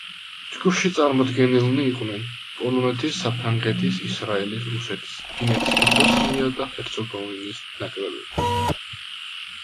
ჯგუფში წარმოდგენილნი იყვნენ პოლონეთის, საფრანგეთის, ისრაელის, რუსეთის, ფინეთის და ბოსნია და ჰერცეგოვინის ნაკრებები.